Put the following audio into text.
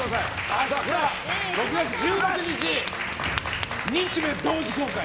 明日、６月１６日日米同時公開。